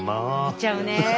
見ちゃうね。